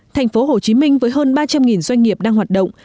thành phố hồ chí minh với hơn ba trăm linh doanh nghiệp đang hoạt động